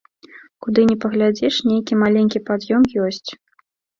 Куды ні паглядзіш, нейкі маленькі пад'ём ёсць.